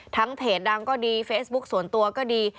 เพจดังก็ดีเฟซบุ๊คส่วนตัวก็ดี